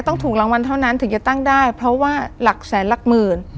ต้องถูกรางวัลเท่านั้นถึงจะตั้งได้เพราะว่าหลักแสนหลักหมื่น